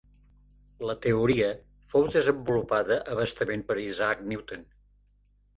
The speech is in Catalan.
La teoria fou desenvolupada a bastament per Isaac Newton.